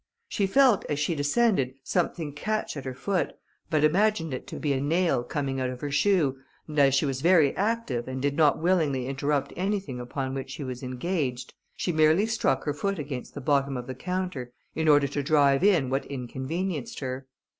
She felt, as she descended, something catch at her foot, but imagined it to be a nail coming out of her shoe, and as she was very active, and did not willingly interrupt anything upon which she was engaged, she merely struck her foot against the bottom of the counter, in order to drive in what inconvenienced her.